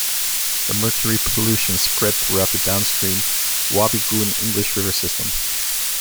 The mercury pollution spread throughout the downstream Wabigoon-English River system.